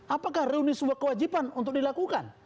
apakah reuni sebuah kewajiban untuk dilakukan